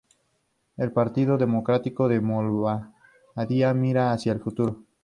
El Partido Democrático de Moldavia mira hacia al futuro.